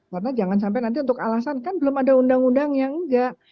karena jangan sampai nanti untuk alasan kan belum ada undang undang yang enggak